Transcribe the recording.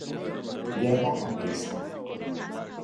Guerra Carlista.